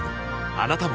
あなたも